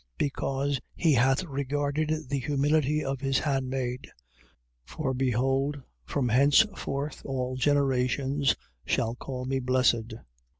1:48. Because he hath regarded the humility of his handmaid: for behold from henceforth all generations shall call me blessed.